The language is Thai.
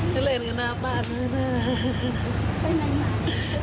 ได้เล่นกับหน้าบ้านมาเป็นไปไหนบ้าน